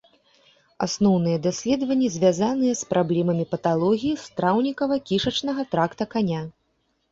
Асноўныя даследванні звязаныя з праблемамі паталогіі страўнікава-кішачнага тракта каня.